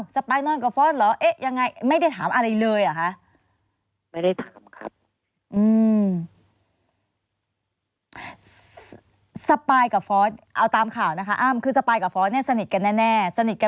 สปายกับฟอสเอาตามข่าวนะคะคือสปายกับฟอสสนิทกันน่ะ